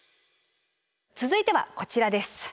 続いてはこちらです。